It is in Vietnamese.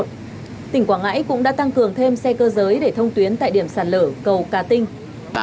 tỉnh quảng ngãi cũng đã tăng cường thêm xe cơ giới để thông tuyến tại điểm sạt lở cầu cà tinh